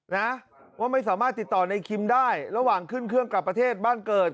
นะว่าไม่สามารถติดต่อในคิมได้ระหว่างขึ้นเครื่องกลับประเทศบ้านเกิด